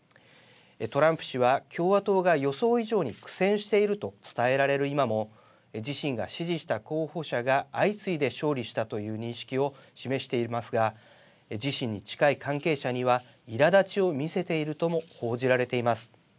トランプ氏は共和党が予想以上に苦戦をしていると伝えられる今も自身が支持した候補者が相次いで勝利したという認識を示していますが自身に近い関係者にはいらだちを見せているとも報じられています。